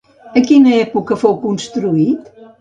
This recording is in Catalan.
A quina època fou construït?